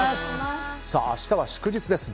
明日は祝日です。